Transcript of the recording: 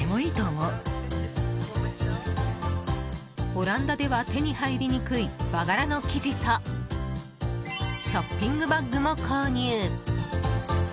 オランダでは手に入りにくい和柄の生地とショッピングバッグも購入。